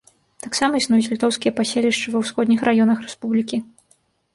Таксама існуюць літоўскія паселішчы ва ўсходніх раёнах рэспублікі.